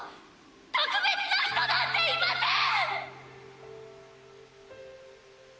特別な人なんていません！！